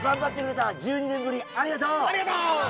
ありがとう！